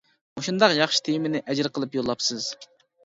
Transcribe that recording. مۇشۇنداق ياخشى تېمىنى ئەجىر قىلىپ يوللاپسىز.